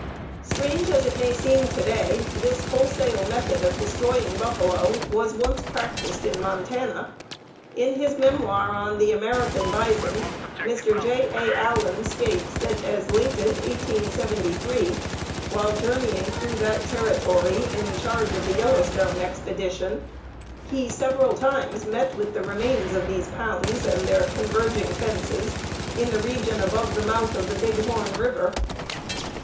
Strange as it may seem to day, this wholesale method of destroying buffalo was once practiced in Montana. In his memoir on "The American Bison," Mr. J. A. Allen states that as late as 1873, while journeying through that Territory in charge of the Yellowstone Expedition, he "several times met with the remains of these pounds and their converging fences in the region above the mouth of the Big Horn River."